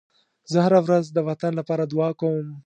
زه هره ورځ د وطن لپاره دعا کوم.